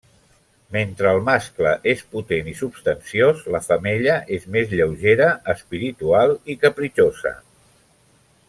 Mentre el mascle és potent i substanciós, la femella és més lleugera, espiritual i capritxosa.